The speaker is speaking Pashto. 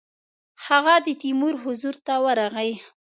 هغه د تیمور حضور ته ورغی.